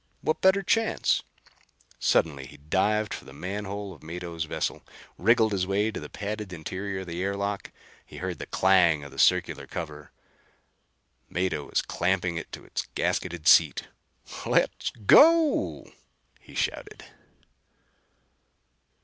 What better chance? Suddenly he dived for the manhole of Mado's vessel; wriggled his way to the padded interior of the air lock. He heard the clang of the circular cover. Mado was clamping it to its gasketed seat. "Let's go!" he shouted.